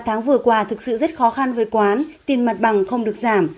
sáu tháng vừa qua thực sự rất khó khăn với quán tiền mặt bằng không được giảm